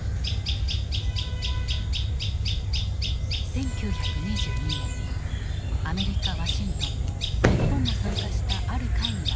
１９２２年アメリカ・ワシントンで日本も参加したある会議が開かれた。